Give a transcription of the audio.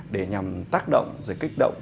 để nhằm tác động rồi kích động